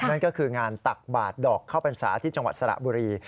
นั่นก็คืองานตักบาทดอกข้าวพรรษาที่จังหวัดสระบุรี